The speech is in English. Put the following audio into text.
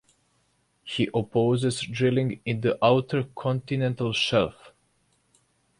He opposes drilling in the Outer Continental Shelf.